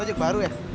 ojek baru ya